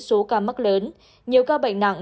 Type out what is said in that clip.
số ca mắc lớn nhiều ca bệnh nặng